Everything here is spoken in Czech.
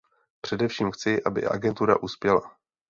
Především chci, aby agentura uspěla.